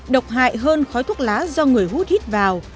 độc hại hơn khói thuốc lá do người hút hít vào